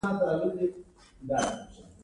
هغوی د حاکم نظام په وړاندې بغاوت کاوه.